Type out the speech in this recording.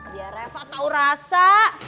biar reva tau rasa